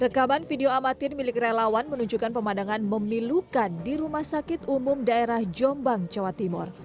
rekaman video amatir milik relawan menunjukkan pemandangan memilukan di rumah sakit umum daerah jombang jawa timur